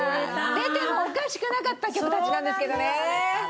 出てもおかしくなかった曲たちなんですけどね。